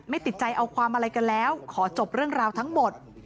ติดใจเอาความอะไรกันแล้วขอจบเรื่องราวทั้งหมด